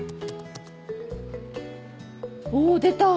お出た！